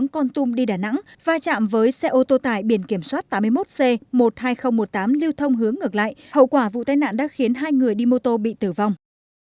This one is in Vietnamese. con tum đi đà nẵng va chạm với xe ô tô tải biển kiểm soát tám mươi một c một mươi hai nghìn một mươi tám lưu thông hướng ngược lại hậu quả vụ tai nạn đã khiến hai người đi mô tô bị tử vong